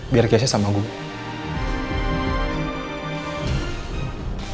biar kece sama gue